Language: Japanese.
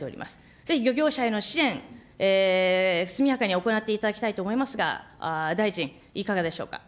ぜひ漁業者への支援、速やかに行っていただきたいと思いますが、大臣、いかがでしょうか。